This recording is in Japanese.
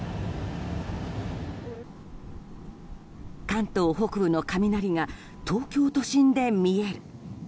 関東北部の雷が東京都心で見える。